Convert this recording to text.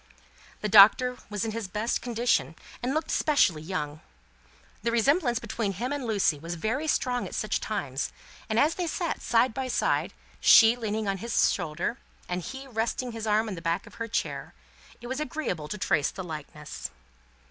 The Doctor was in his best condition, and looked specially young. The resemblance between him and Lucie was very strong at such times, and as they sat side by side, she leaning on his shoulder, and he resting his arm on the back of her chair, it was very agreeable to trace the likeness.